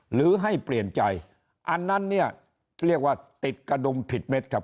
หรือให้เปลี่ยนใจอันนั้นเนี่ยเรียกว่าติดกระดุมผิดเม็ดครับ